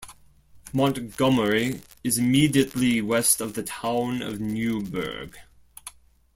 Montgomery is immediately west of the Town of Newburgh.